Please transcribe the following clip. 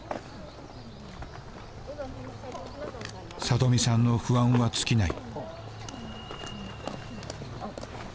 里美さんの不安は尽きない。